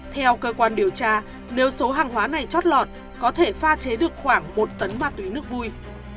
theo cơ quan điều tra nếu số hàng hóa này chót lọt có thể pha chế được khoảng một tấn ma túy nước vui